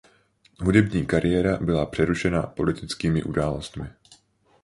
Hudební kariéra byla přerušena politickými událostmi.